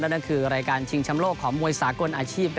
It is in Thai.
นั่นคือรายการชิงชำโลกของมวยสากลอาชีพ